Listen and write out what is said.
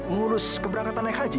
ngurus keberangkatan naik haji